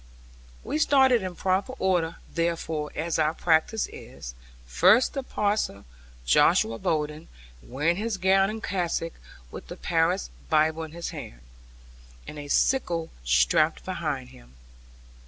We started in proper order, therefore, as our practice is: first, the parson Josiah Bowden, wearing his gown and cassock, with the parish Bible in his hand, and a sickle strapped behind him.